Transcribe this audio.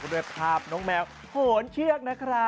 ด้วยภาพน้องแมวโหนเชือกนะครับ